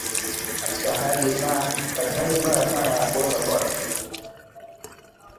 Katika hali mbaya sana ya kuoza kwato